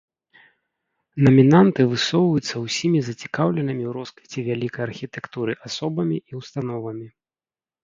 Намінанты высоўваюцца ўсімі зацікаўленымі ў росквіце вялікай архітэктуры асобамі і ўстановамі.